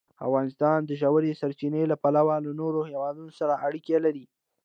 افغانستان د ژورې سرچینې له پلوه له نورو هېوادونو سره اړیکې لري.